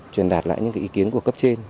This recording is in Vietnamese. truyền đạt lại những cái ý kiến của cấp trên